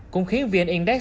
cũng khiến vnnc